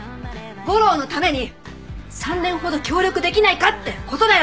吾良のために３年ほど協力できないかって事だよ！